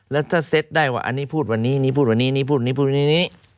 และถ้าเซ็ตได้ว่านี้พูดไว้นี้